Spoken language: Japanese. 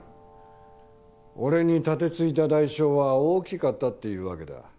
俺に盾突いた代償は大きかったっていうわけだ。